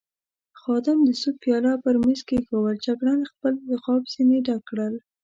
خادم د سوپ پیاله پر مېز کېښوول، جګړن خپل غاب ځنې ډک کړ.